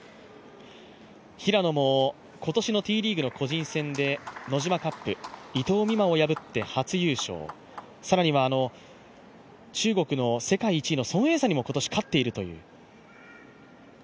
平野も今年のＴリーグの個人戦でＮＯＪＩＭＡＣＵＰ、伊藤美誠を破って初優勝、更には中国の世界一の孫エイ莎にも今年、勝っているという。